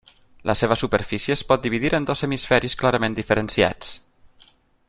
La seva superfície es pot dividir en dos hemisferis clarament diferenciats.